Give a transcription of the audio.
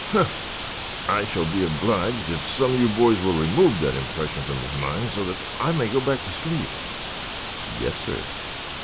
"Humph! I shall be obliged if some of you boys will remove that impression from his mind so that I may go back to sleep." "Yes, sir."